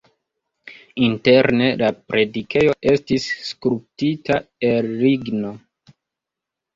Interne la predikejo estis skulptita el ligno.